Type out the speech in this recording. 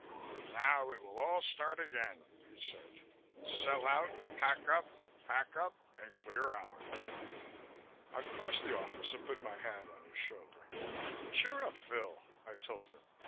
"Now it will all start again," he said. "Sell out and pack up, pack up and clear out." I crossed the office and put my hand on his shoulder. "Cheer up, Phil," I told him.